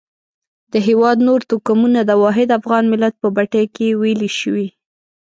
د هېواد نور توکمونه د واحد افغان ملت په بټۍ کې ویلي شوي.